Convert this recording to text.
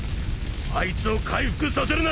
あいつを回復させるな！